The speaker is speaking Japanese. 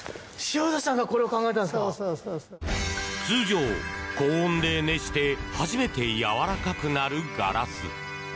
通常、高温で熱して初めてやわらかくなるガラス。